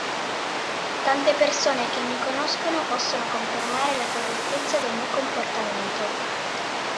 Tante persone che mi conoscono possono confermare la correttezza del mio comportamento.